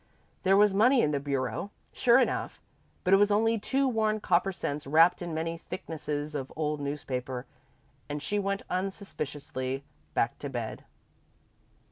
There was money in the bureau, sure enough, but it was only two worn copper cents wrapped in many thicknesses of old newspaper, and she went unsuspiciously back to bed.